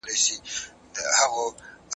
زه غواړم له خپل استاد سره وګورم.